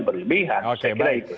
berlebihan saya kira itu